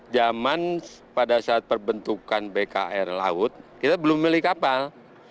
zaman pada saat perbentukan bkr laut kita belum milih kapal